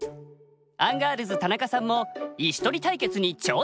アンガールズ田中さんも石取り対決に挑戦！